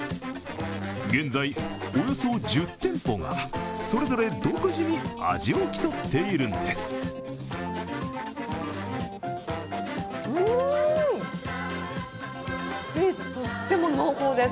現在、およそ１０店舗がそれぞれ独自に味を競っているんです。